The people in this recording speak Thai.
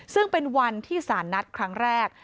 ซึ่งเป็นวันที่สารนัดครั้งแรก